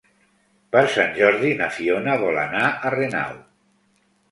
Per Sant Jordi na Fiona vol anar a Renau.